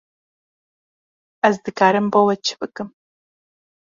Ez dikarim bo we çi bikim?